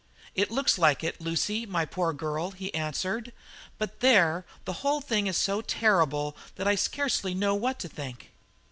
"It looks like it, Lucy, my poor girl," he answered. "But there, the whole thing is so terrible that I scarcely know what to think."